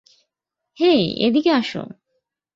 হেই, এদিকে আসো!